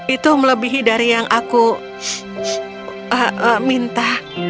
itu melebihi dari yang aku minta